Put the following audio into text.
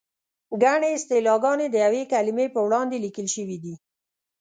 ګڼې اصطلاحګانې د یوې کلمې په وړاندې لیکل شوې دي.